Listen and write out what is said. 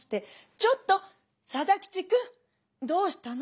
「ちょっと定吉くんどうしたの？